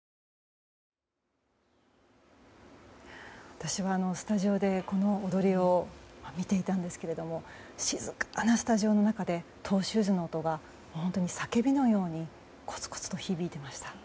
私はスタジオでこの踊りを見ていたんですが静かなスタジオの中でトゥシューズの音が本当に叫びのようにコツコツと響いていました。